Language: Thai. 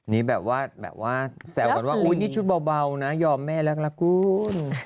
นี่แบบว่าแซวกันว่าอุ้ยนี่ชุดเบานะยอมแม่แล้วละกุ้น